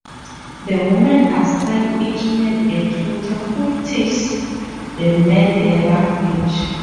The women assign each man a tutor who teaches the men their language.